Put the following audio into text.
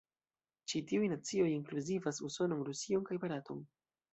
Ĉi tiuj nacioj inkluzivas Usonon, Rusion, kaj Baraton.